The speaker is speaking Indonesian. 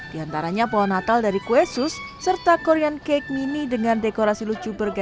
di antaranya pohon natal dari kuesus serta korean cake mini dengan dekorasi lucu berguna